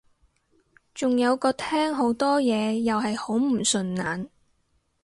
仲有個廳好多嘢又係好唔順眼